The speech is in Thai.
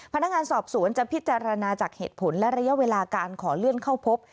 พนักงานสอบสวนจะพิจารณาจากเหตุผลและระยะเวลาการขอเลื่อนเข้าพบ